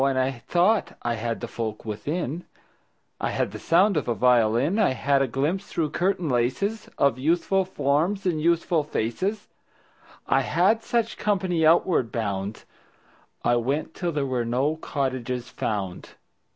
And I thought I had the folk within: I had the sound of a violin; I had a glimpse through curtain laces Of youthful forms and youthful faces. I had such company outward bound. I went till there were no cottages found.